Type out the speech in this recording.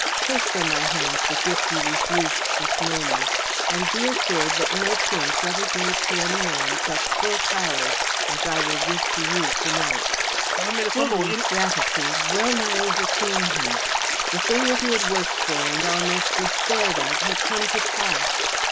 Take from my hands the gift you refused this morning, and be assured that no prince ever gave to any man such full powers as I will give to you to night." Wogan's gratitude wellnigh overcame him. The thing that he had worked for and almost despaired of had come to pass.